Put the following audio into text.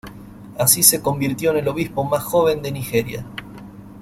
Así se convirtió en el obispo más joven de Nigeria.